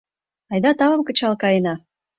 айда тавым кычал каена…